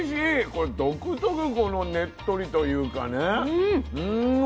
これ独特このねっとりというかね。